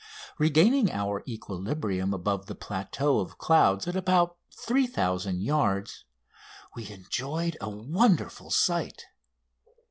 Regaining our equilibrium above a plateau of clouds at about 3000 yards we enjoyed a wonderful sight.